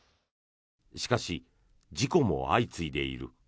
しかし、事故も相次いでいる。